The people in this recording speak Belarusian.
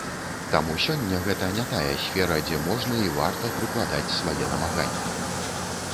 Таму сёння гэта не тая сфера, дзе можна і варта прыкладаць свае намаганні.